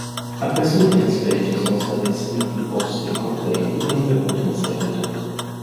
A quest'ultima specie sono stati ascritti fossili completi rinvenuti in seguito.